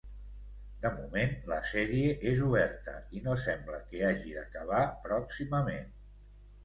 De moment, la sèrie és oberta i no sembla que hagi d'acabar pròximament.